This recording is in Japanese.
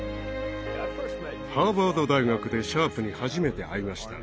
ハーバード大学でシャープに初めて会いました。